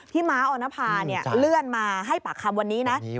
ม้าออนภาเนี่ยเลื่อนมาให้ปากคำวันนี้นะ